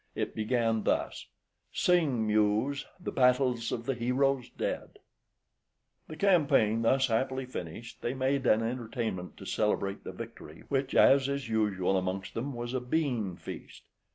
It began thus "Sing, Muse, the battles of the heroes dead " The campaign thus happily finished, they made an entertainment to celebrate the victory, which, as is usual amongst them, was a bean feast.